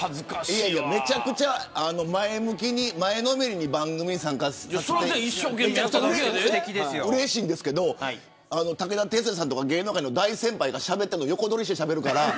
めちゃくちゃ前のめりに番組に参加してくれてうれしいんですけど武田鉄矢さんとか芸能界の大先輩がしゃべったのを横取りしてしゃべるから。